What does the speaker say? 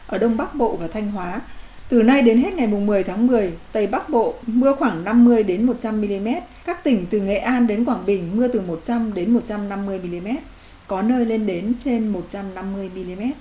ở đông bắc bộ và thanh hóa từ nay đến hết ngày một mươi tháng một mươi tây bắc bộ mưa khoảng năm mươi một trăm linh mm các tỉnh từ nghệ an đến quảng bình mưa từ một trăm linh một trăm năm mươi mm có nơi lên đến trên một trăm năm mươi mm